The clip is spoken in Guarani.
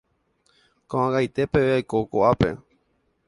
Ko'ag̃aite peve oiko ko'ápe.